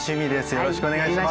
よろしくお願いします。